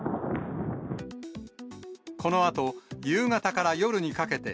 このあと夕方から夜にかけて、